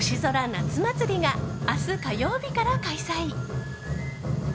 夏祭りが明日火曜日から開催。